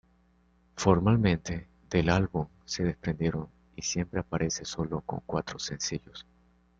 Formalmente del álbum se desprendieron y siempre aparece sólo con cuatro sencillos.